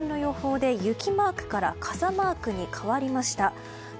月曜日の東京は最新の予報で雪マークから傘マークに変わりました。